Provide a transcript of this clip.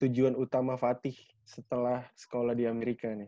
tujuan utama fatih setelah sekolah di amerika nih